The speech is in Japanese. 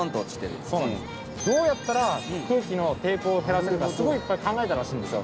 どうやったら空気の抵抗を減らせるかすごいいっぱい考えたらしいんですよ。